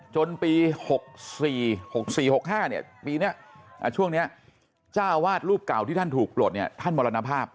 จนปี๖๔๖๔๖๕ปีนี้ช่วงนี้จ้าวาดรูปเก่าที่ท่านถูกปลดเนี่ยท่านมรณภาพ